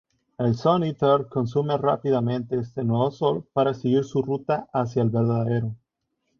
El Sun-Eater consume rápidamente este nuevo sol para seguir su ruta hacia el verdadero.